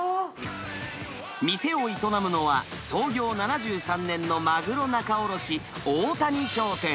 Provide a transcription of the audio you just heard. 店を営むのは、創業７３年のマグロ仲卸、大谷商店。